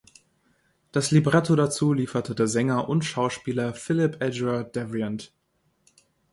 Das Libretto dazu lieferte der Sänger und Schauspieler Philipp Eduard Devrient.